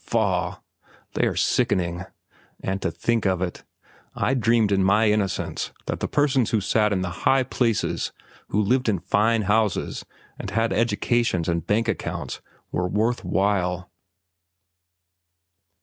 Faugh! They are sickening. And to think of it, I dreamed in my innocence that the persons who sat in the high places, who lived in fine houses and had educations and bank accounts, were worth while!"